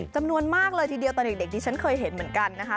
จำนวนมากเลยทีเดียวตอนเด็กที่ฉันเคยเห็นเหมือนกันนะคะ